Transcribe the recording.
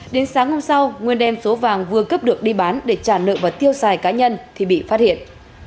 đến sáng hôm sau nguyên đem số vàng vừa cướp được đi bán để trả nợ và tiêu xài cá nhân thì bị phát hiện